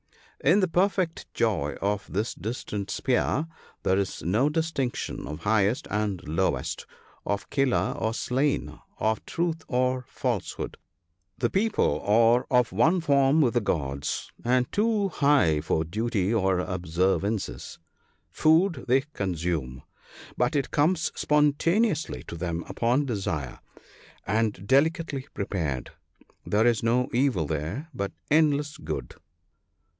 In the perfect joy of this distant sphere, "there is no dis tinction of highest and lowest, of killer or slain, of truth or falsehood ; the people are of one form with the gods, and too high for duty or observances. Food they consume, but it comes spontaneously to them upon desire, and delicately prepared. There is no evil there, but endless good.